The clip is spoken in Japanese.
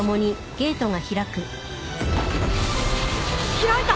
開いた！